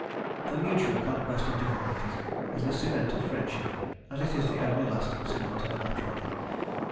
The mutual conquest of difficulties is the cement of friendship, as it is the only lasting cement of matrimony.